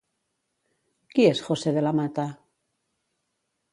Qui és José de la Mata?